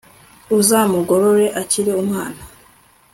uzamugorore akiri umwana